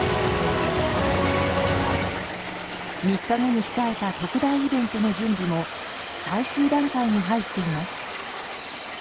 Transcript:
３日後に控えた特大イベントの準備も最終段階に入っています。